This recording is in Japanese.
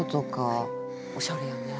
おしゃれやね。